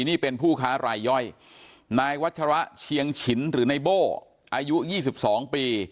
นี่เป็นผู้ค้ารายย่อยนายวัชระเชียงฉินหรือนายโบ่อายุยี่สิบสองปี